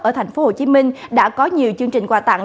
ở tp hcm đã có nhiều chương trình quà tặng